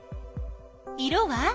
色は？